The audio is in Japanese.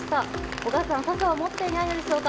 お母さん傘を持っていないのでしょうか。